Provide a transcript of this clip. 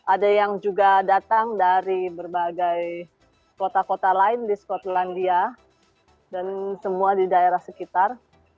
ada yang juga datang dari berbagai kota kota lain di skotlandia dan semua di daerah sekitar